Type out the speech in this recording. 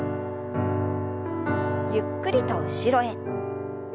ゆっくりと後ろへ。